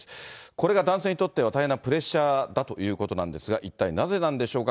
これが男性にとっては大変なプレッシャーだということなんですが、一体なぜなんでしょうか。